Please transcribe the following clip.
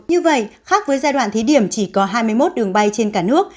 như vậy khác với giai đoạn thí điểm chỉ có hai mươi một đường bay trên cả nước